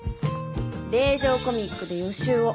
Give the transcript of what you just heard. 令嬢コミックで予習を。